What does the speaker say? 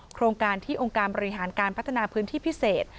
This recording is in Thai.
โครงการที่องค์การบริหารการพัฒนาพื้นที่พิเศษ